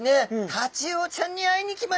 タチウオちゃんに会いに来ました。